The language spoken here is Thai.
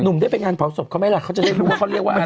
หนุ่มได้เป็นงานเผาศพเขาไม่รักเขาจะได้รู้ว่าเขาเรียกว่าอะไร